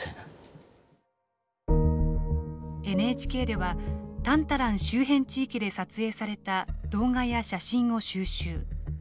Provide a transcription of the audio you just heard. ＮＨＫではタンタラン周辺地域で撮影された動画や写真を収集。